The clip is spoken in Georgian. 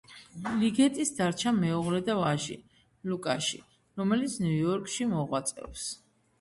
ლიგეტის დარჩა მეუღლე და ვაჟი, ლუკაში, რომელიც ნიუ-იორკში მოღვაწეობს.